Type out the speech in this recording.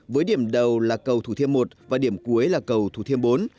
với điểm đầu là cầu thủ thiêm i và điểm cuối là cầu thủ thiêm iv